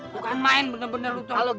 bukan main benar benar lutong